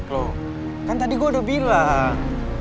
loh kan tadi gue udah bilang